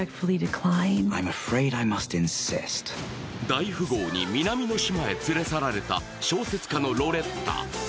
大富豪に南の島へ連れ去られた小説家のロレッタ。